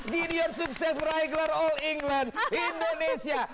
gideon sukses meraih gelar all england indonesia